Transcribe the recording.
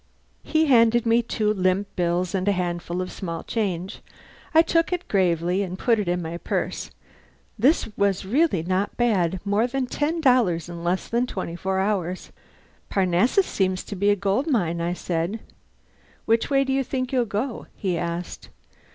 He handed me two limp bills and a handful of small change. I took it gravely and put it in my purse. This was really not bad more than ten dollars in less than twenty four hours. "Parnassus seems to be a gold mine," I said. "Which way do you think you'll go?" he asked.